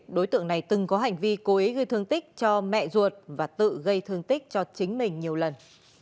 đối tượng này từng có hành vi cố ý gây thương tích cho mẹ ruột và tự gây thương tích cho chính mình nhiều lần